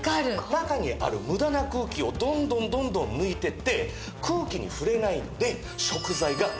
中にある無駄な空気をどんどんどんどん抜いていって空気に触れないので食材が長持ちしてくれると。